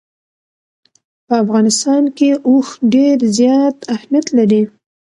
په افغانستان کې اوښ ډېر زیات اهمیت لري.